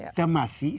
kita masih singapura